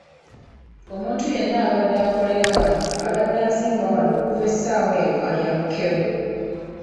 Omuntu yenna abadde akolera wano, abadde azimba wano okuva essaawa eno ayamukewo.